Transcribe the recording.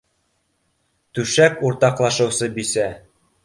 Түшәк уртаҡлашыусы бисә